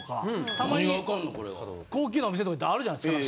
たまに高級なお店とか行ったらあるじゃないですか。